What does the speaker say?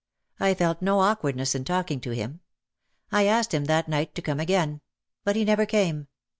I felt no awkwardness in talking to him. I asked him that night to come again. But he never came.